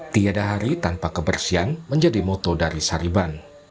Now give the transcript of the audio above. tiada hari tanpa kebersihan menjadi moto dari sariban